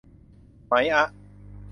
ไหมอะ